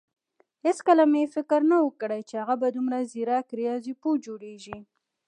هيڅکله مې فکر نه وو کړی چې هغه به دومره ځيرک رياضيپوه جوړېږي.